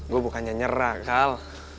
gue bukannya nyerah kal